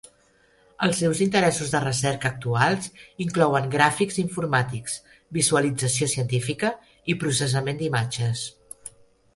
Els seus interessos de recerca actuals inclouen gràfics informàtics, visualització científica i processament d'imatges.